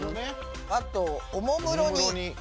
あとおもむろに。